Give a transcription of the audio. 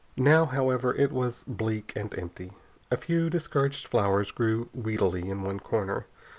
Now, however, it was bleak and empty. A few discouraged flowers grew weedily in one corner.